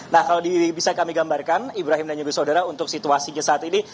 nah kalau bisa kami gambarkan ibrahim dan juga saudara untuk situasinya saat ini